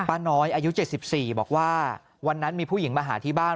ป้าน้อยอายุ๗๔บอกว่าวันนั้นมีผู้หญิงมาหาที่บ้าน